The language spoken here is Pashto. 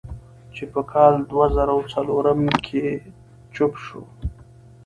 چې پۀ کال دوه زره څلورم کښې چاپ شو ۔